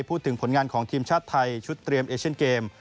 พูดถึงผลงานของทีมชาติไทยชุดเตรียมเอเชียนเกม